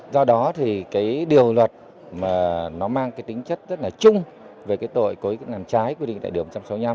do đó thì cái điều luật mà nó mang cái tính chất rất là chung về cái tội cối làm trái quy định tại điều một trăm sáu mươi năm